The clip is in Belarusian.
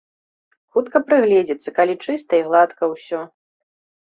Хутка прыгледзіцца, калі чыста й гладка ўсё.